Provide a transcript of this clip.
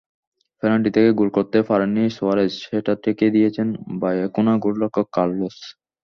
Penalty থেকে goal করতে পারেননি সুয়ারেজ, সেটা ঠেকিয়ে দিয়েছেন ভায়েকানো গোলরক্ষক কার্লোস।